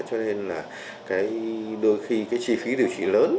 cho nên là đôi khi cái chi phí điều trị lớn